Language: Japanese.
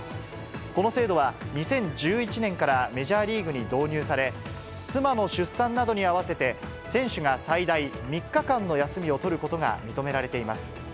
この制度は、２０１１年からメジャーリーグに導入され、妻の出産などに合わせて、選手が最大３日間の休みを取ることが認められています。